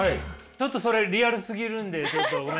ちょっとそれリアルすぎるんでちょっとごめんなさい。